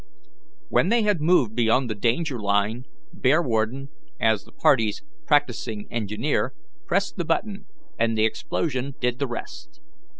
When they had moved beyond the danger line, Bearwarden, as the party's practising engineer, pressed the button, and the explosion did the rest.